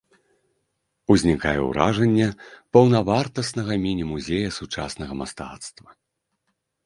Узнікае ўражанне паўнавартаснага міні-музея сучаснага мастацтва.